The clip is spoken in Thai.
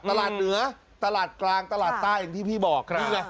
ตลาดเหนือตลาดกลางตลาดใต้อย่างที่พี่บอกครับนี่ไง